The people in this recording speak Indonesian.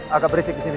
agak berisik di sini